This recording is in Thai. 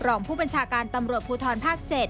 รองผู้บัญชาการตำรวจภูทรภาค๗